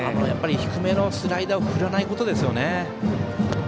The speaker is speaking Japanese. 低めのスライダーを振らないことですね。